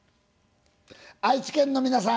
愛知県の皆さん。